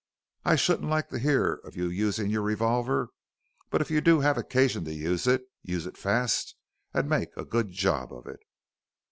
I shouldn't like to hear of you using your revolver, but if you do have occasion to use it, use it fast and make a good job of it."